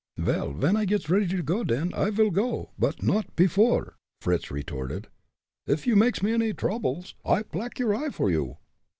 "Vel, when I gits ready to go, den I vil go, und not pefore!" Fritz retorted. "Uff you makes me any droubles, I plack your eye for you!"